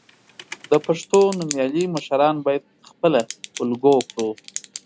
د پښتو نومیالي مشران باید خپله الګو کړو.